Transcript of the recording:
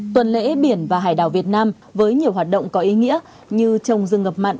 tuần lễ biển và hải đảo việt nam với nhiều hoạt động có ý nghĩa như trồng rừng ngập mặn